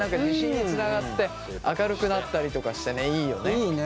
自信につながって明るくなったりとかしてねいいよね。